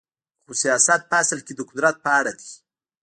خو سیاست په اصل کې د قدرت په اړه دی.